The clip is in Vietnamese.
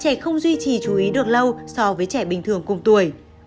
trẻ không duy trì chú ý được lâu so với trẻ bình thường cùng tuổi